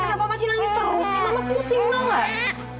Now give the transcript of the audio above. kenapa masih nangis terus sih mama pusing tau gak